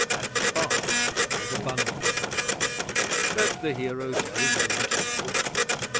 That's Bath, where the buns come from. Let the hero tell his own tale.'